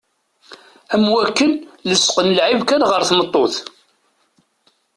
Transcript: Am wakken lesqen lɛib kan ɣer tmeṭṭut.